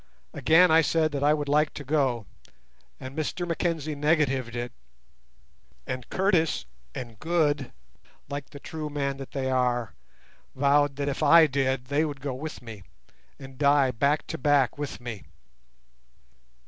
Again I said that I would go, and again Mackenzie negatived it, and Curtis and Good, like the true men that they are, vowed that, if I did, they would go with me, and die back to back with me.